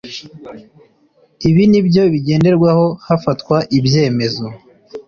Ibi nibyo bigenderwaho hafatwa ibyemezo.